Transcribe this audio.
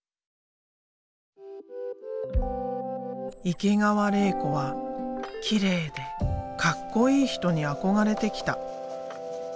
池川れい子はきれいでかっこいい人に憧れてきた。